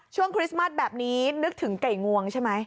ช่วงคริสมาร์ทแบบนี้นึกถึงไก่งวงใช่ไหม